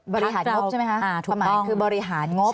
บริหารงบใช่ไหมคะคือบริหารงบ